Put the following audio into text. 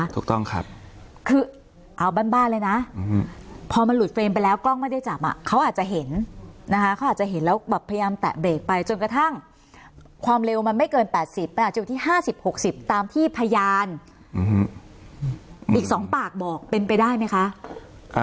ถูกต้องครับคือเอาบ้านเลยนะพอมันหลุดเฟรมไปแล้วกล้องไม่ได้จับเขาอาจจะเห็นนะคะเขาอาจจะเห็นแล้วแบบพยายามแตะเบรกไปจนกระทั่งความเร็วมันไม่เกิน๘๐มันอาจจะอยู่ที่๕๐๖๐ตามที่พยานอีก๒ปากบอกเป็นไปได้ไหมคะ